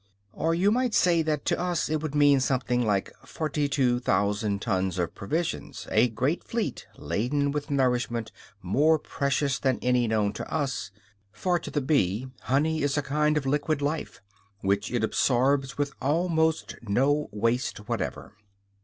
Or you might say that to us it would mean something like 42,000 tons of provisions, a great fleet laden with nourishment more precious than any known to us; for to the bee honey is a kind of liquid life, which it absorbs with almost no waste whatever.